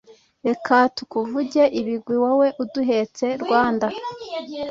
Reka tukuvuge ibigwi wowe uduhetse Rwanda